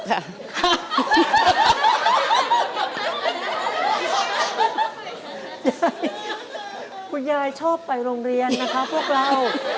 คุณยายคุณยายชอบไปโรงเรียนนะครับพวกเรา